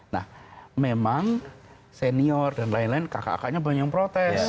nah memang senior dan lain lain kakak kakaknya banyak yang protes